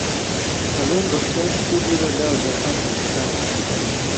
A ring of ten tubular bells are hung in the tower.